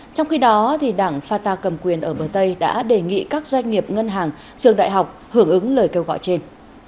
trong khi đó đảng fatah cầm quyền ở bờ tây đã đề nghị các doanh nghiệp ngân hàng trường đại học hưởng ứng lời kêu gọi trên